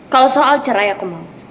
kalau soal cerai aku mau